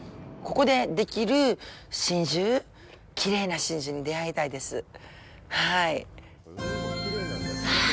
ここでできる真珠、きれいな真珠に出会いたいです。